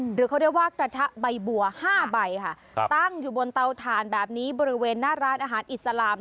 หรือเขาเรียกว่ากระทะใบบัว๕ใบค่ะตั้งอยู่บนเตาถ่านแบบนี้บริเวณหน้าร้านอาหารอิสลาม